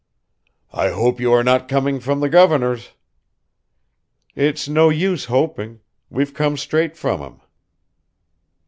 "I hope you are not coming from the governor's." "It's no use hoping. We've come straight from him."